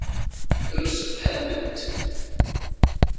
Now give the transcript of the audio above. Msefhament.